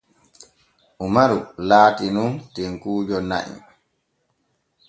Umaru laati nun tenkuujo na'i.